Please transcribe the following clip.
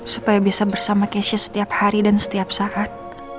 supaya bisa bersama kesha setiap hari dan setiap saat